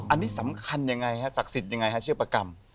อันนี้สำคัญยังไงฮะศักดิ์สิทธิ์ยังไงฮะชื่อประกรรม